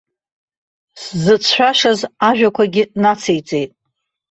Сзыцәшәашаз ажәақәагьы нациҵеит.